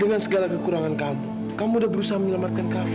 dengan segala kekurangan kamu kamu udah berusaha menyelamatkan kamu